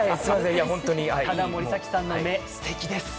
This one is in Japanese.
ただ森崎さんの目、素敵です。